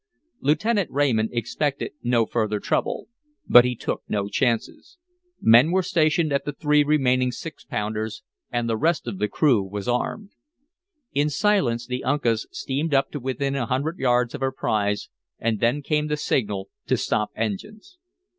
Lieutenant Raymond expected no further trouble; but he took no chances. Men were stationed at the three remaining six pounders, and the rest of the crew was armed. In silence the Uncas steamed up to within a hundred yards of her prize. And then came the signal to stop engines.